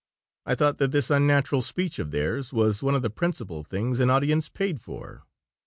I thought that this unnatural speech of theirs was one of the principal things an audience paid for.